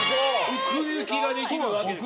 奥行きができるわけです。